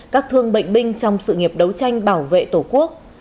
các thương bệnh binh trong sự nghiệp đấu tranh bảo vệ tổ quốc